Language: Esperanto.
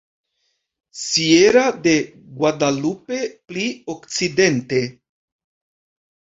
Sierra de Guadalupe: pli okcidente.